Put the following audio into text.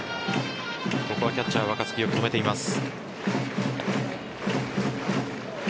ここはキャッチャー・若月よく止めています。